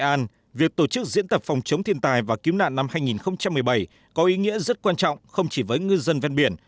năm hai nghìn một mươi bảy việc tổ chức diễn tập phòng chống thiên tai và cứu nạn năm hai nghìn một mươi bảy có ý nghĩa rất quan trọng không chỉ với ngư dân ven biển